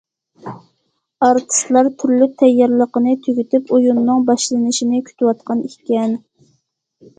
ئارتىسلار تۈرلۈك تەييارلىقىنى تۈگىتىپ، ئويۇننىڭ باشلىنىشىنى كۈتۈۋاتقان ئىكەن.